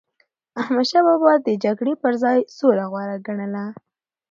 احمدشاه بابا به د جګړی پر ځای سوله غوره ګڼله.